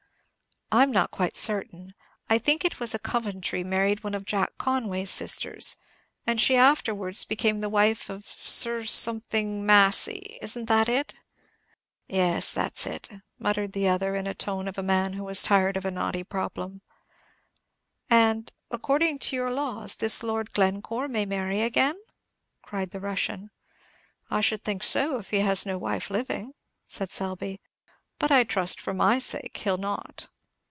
"I'm not quite certain. I think it was a Coventry married one of Jack Conway's sisters, and she afterwards became the wife of Sir something Massy. Isn't that it?" "Yes, that's it," muttered the other, in the tone of a man who was tired of a knotty problem. "And, according to your laws, this Lord Glencore may marry again?" cried the Russian. "I should think so, if he has no wife living," said Selby; "but I trust, for my sake, he'll not."